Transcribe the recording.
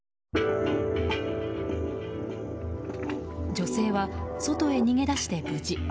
女性は外へ逃げ出して無事。